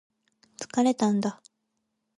疲れたんだ